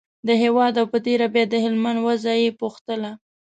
د هېواد او په تېره بیا د هلمند وضعه یې پوښتله.